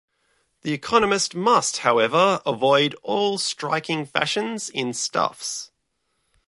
The economist must, however, avoid all striking fashions in stuffs.